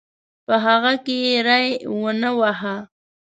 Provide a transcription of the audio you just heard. په هغه کې یې ری ونه واهه.